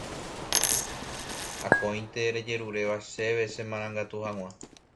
akóinte rejeruréva chéve chemarangatu hag̃ua